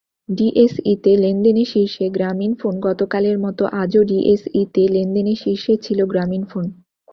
ডিএসইতে লেনদেনে শীর্ষে গ্রামীণফোনগতকালের মতো আজও ডিএসইতে লেনদেনে শীর্ষে ছিল গ্রামীণফোন।